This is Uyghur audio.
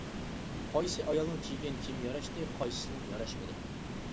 قايسى ئايالنىڭ كىيگەن كىيىمى ياراشتى، قايسىسىنىڭ ياراشمىدى.